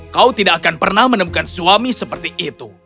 kau tidak akan pernah menemukan suami seperti itu